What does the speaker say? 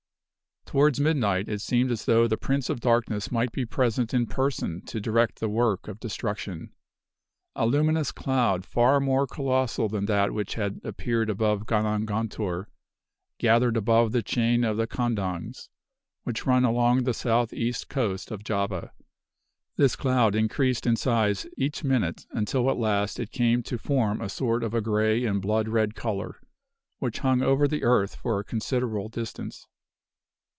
Towards midnight, it seemed as though the Prince of Darkness might be present in person to direct the work of destruction. "A luminous cloud far more colossal than that which had appeared above Gunung guntur, gathered above the chain of the Kandangs, which run along the southeast coast of Java. This cloud increased in size each minute, until at last it came to form a sort of a gray and blood red color, which hung over the earth for a considerable distance.